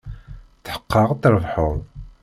Tḥeqqeɣ ad trebḥed.